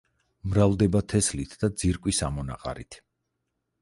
მრავლდება თესლით და ძირკვის ამონაყარით.